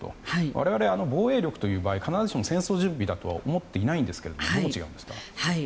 我々は防衛力という場合必ずしも戦争準備だと思っていないんですがどう違うんですか。